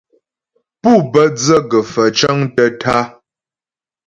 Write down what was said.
Pú bə́ dzə gə̀faə̀ cəŋtə́ tǎ'a.